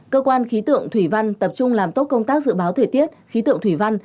cơ quan khí tượng thủy văn tập trung làm tốt công tác dự báo thời tiết khí tượng thủy văn